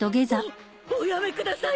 おおやめください